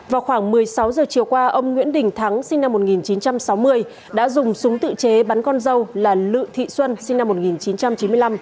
vào khoảng một mươi sáu giờ chiều qua ông nguyễn đình thắng sinh năm một nghìn chín trăm sáu mươi đã dùng súng tự chế bắn con dâu là lự thị xuân sinh năm một nghìn chín trăm chín mươi năm